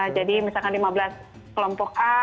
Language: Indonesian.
jadi misalkan lima belas kelompok a